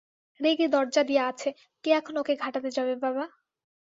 রেগে দরজা দিয়া আছে, কে এখন ওকে ঘাটাতে যাবে বাবা।